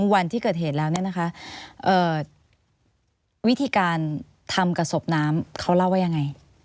วิธีการต่างต่างของสอบน้ำเขาเรียกว่าอะไร